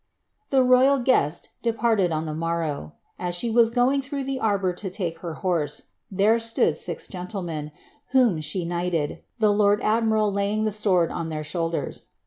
The royal guest departed on the morrow. As she was going throtijh the arbour to lake horse, there stood six genllemen. whom she knighwi!, tiie lord admiral laying the sword on their siioulders.